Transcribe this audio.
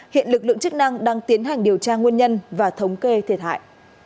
hiện lực lượng chức năng đang tiến hành điều tra nguyên nhân và thống kê thiệt hại